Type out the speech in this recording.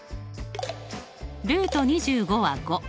ルート２５は５。